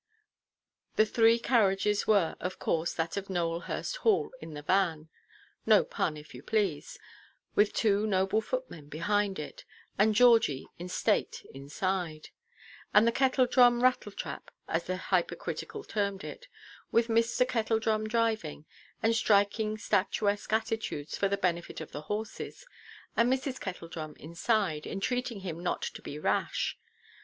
The three carriages were, of course, that of Nowelhurst Hall in the van (no pun, if you please), with two noble footmen behind it, and Georgie in state inside. Then the "Kettledrum rattletrap," as the hypercritical termed it, with Mr. Kettledrum driving, and striking statuesque attitudes for the benefit of the horses, and Mrs. Kettledrum inside, entreating him not to be rash.